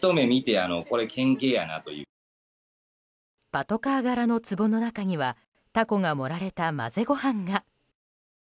パトカー柄のつぼの中にはタコが盛られた混ぜご飯が。